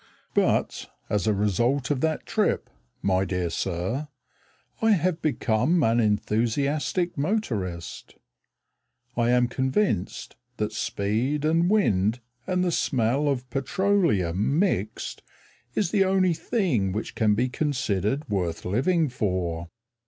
But, as a result of that trip, my dear sir, I have become an enthusiastic motorist. I am convinced that speed and wind and the smell of petroleum mixed Is the only thing which can be considered worth living for.